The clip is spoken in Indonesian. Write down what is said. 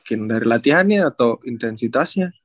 mungkin dari latihannya atau intensitasnya